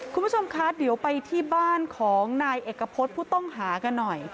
คุณผู้ชมคะเดี๋ยวไปที่บ้านของนายเอกพฤษผู้ต้องหากันหน่อย